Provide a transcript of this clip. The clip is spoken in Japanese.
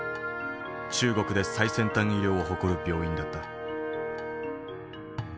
中国で最先端医療を誇る病院だった。